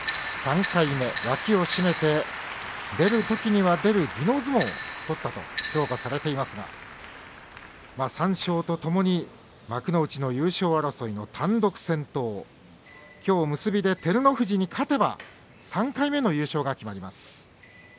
３回目、脇を締めて出るときには出る技能相撲を取ったと評価されていますが三賞とともに幕内の優勝争いの単独先頭きょう結びで照ノ富士に勝てば３回目の優勝が決まります。